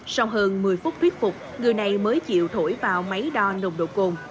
sau hơn một mươi phút thuyết phục người này mới chịu thổi vào máy đo nồng độ cồn